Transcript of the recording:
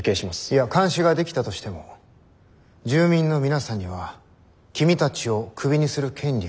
いや監視ができたとしても住民の皆さんには君たちをクビにする権利がないんです。